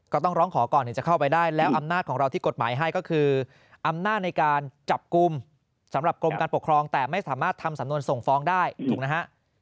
ก็ต้องร้องขอก่อนถึงจะเข้าไปได้แล้วอำนาจของเราที่กฎหมายให้ก็คืออำนาจในการจับกลุ่มสำหรับกรมการปกครองแต่ไม่สามารถทำสำนวนส่งฟ้องได้ถูกนะฮะ